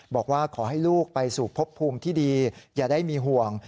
บอกว่าขอให้ลูกไปสู่พบภูมิที่ดีอย่าได้มีห่วง